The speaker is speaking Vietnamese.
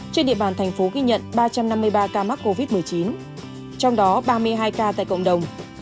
trên địa bàn thành phố ghi nhận ba trăm năm mươi ba ca mắc covid một mươi chín trong đó ba mươi hai ca tại cộng đồng